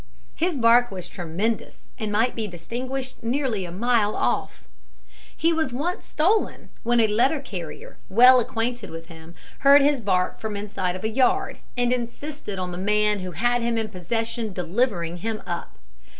His bark was tremendous, and might be distinguished nearly a mile off. He was once stolen, when a letter carrier, well acquainted with him, heard his bark from the inside of a yard, and insisted on the man who had him in possession delivering him up.